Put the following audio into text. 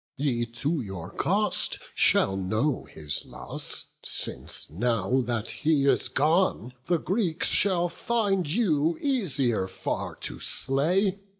ye to your cost Shall know his loss: since now that he is gone, The Greeks shall find you easier far to slay.